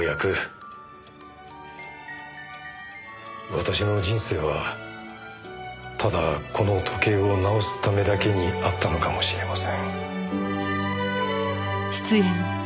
私の人生はただこの時計を直すためだけにあったのかもしれません。